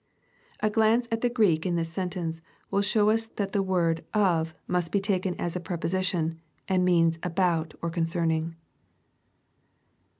'\ A glance at the Q reek in this sentence, will show us that the word " of," must be taken as a preposition, and means " aboat," or ^^ concerning."